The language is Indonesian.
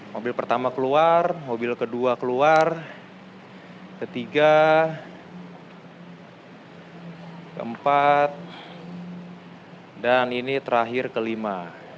mobil pertama keluar mobil kedua keluar ketiga keempat dan ini terakhir kelima